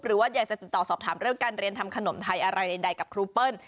หรือว่าอยากจะติดต่อสอบถามเรื่องการเรียนทำขนมไทยอะไรใดกับครูเปิ้ล